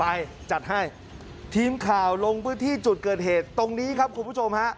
ไปจัดให้ทีมข่าวลงพื้นที่จุดเกิดเหตุตรงนี้ครับคุณผู้ชมฮะ